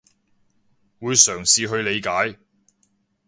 會嘗試去理解